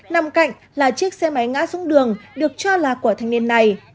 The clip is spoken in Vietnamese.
nằm cạnh là chiếc xe máy ngã xuống đường được cho là của thanh niên này